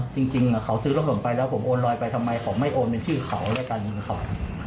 ถ้าผมโอนลอยไปทำไมขอไม่โอนเป็นชื่อเขาแล้วกันนะครับ